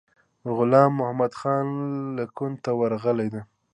غلام محمدخان لکنهو ته ورغلی دی.